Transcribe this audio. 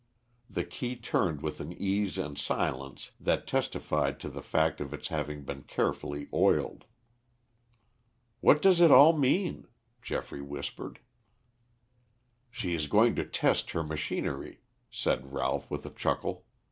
The key turned with an ease and silence that testified to the fact of its having been carefully oiled. "What does it all mean?" Geoffrey whispered. "She is going to test her machinery," said Ralph with a chuckle.